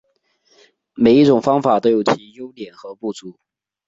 每一种方法都有其优点和不足。